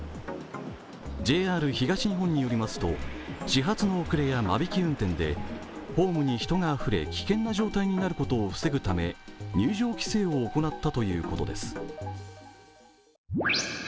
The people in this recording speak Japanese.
ＪＲ東日本によりますと、始発の遅れや間引き運転でホームに人があふれ、危険な状態になることを防ぐため入場規制を行ったということです。